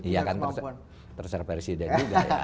iya kan terserah presiden juga ya